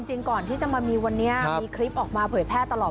จริงก่อนที่จะมามีวันนี้มีคลิปออกมาเผยแพร่ตลอด